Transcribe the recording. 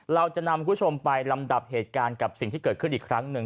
เราจะนำคุณผู้ชมไปลำดับเหตุการณ์กับสิ่งที่เกิดขึ้นอีกครั้งหนึ่ง